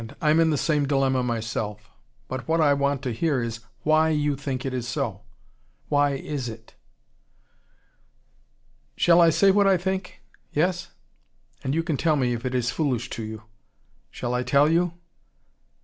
I'm in the same dilemma myself. But what I want to hear, is WHY you think it is so. Why is it?" "Shall I say what I think? Yes? And you can tell me if it is foolish to you. Shall I tell you?